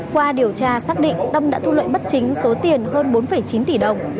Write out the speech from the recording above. qua điều tra xác định tâm đã thu lợi bất chính số tiền hơn bốn chín tỷ đồng